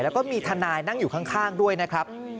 แล้วก็มีทนายนั่งอยู่ข้างด้วยนะครับ